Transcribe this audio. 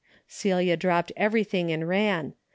Celia dropped everything and ran.